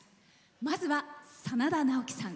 まずは、真田ナオキさん。